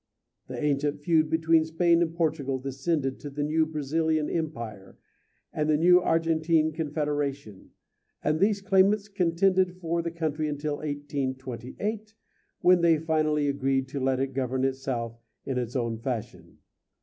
The ancient feud between Spain and Portugal descended to the new Brazilian Empire and the new Argentine Confederation, and these claimants contended for the country until 1828, when they finally agreed to let it govern itself in its own fashion.